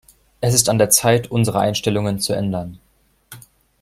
Es ist an der Zeit, unsere Einstellungen zu ändern.